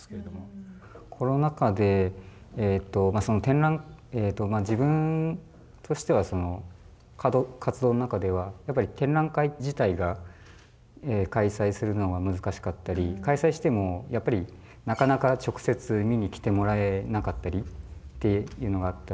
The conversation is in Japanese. コロナ禍でまあ自分としては活動の中ではやっぱり展覧会自体が開催するのが難しかったり開催してもやっぱりなかなか直接見にきてもらえなかったりっていうのがあったり。